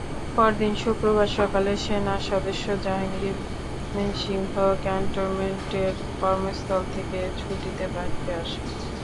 পরদিন শুক্রবার সকালে সেনাসদস্য জাহাঙ্গীর ময়মনসিংহ ক্যান্টনমেন্টের কর্মস্থল থেকে ছুটিতে বাড়িতে আসেন।